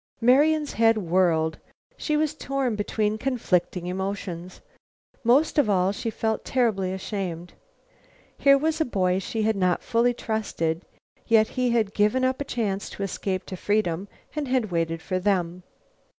Marian's head whirled. She was torn between conflicting emotions. Most of all, she felt terribly ashamed. Here was a boy she had not fully trusted, yet he had given up a chance to escape to freedom and had waited for them.